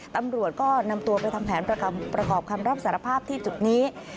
ตำรวจก็นำตัวไปทำแผนประกอบคำรับสารภาพที่จุดนี้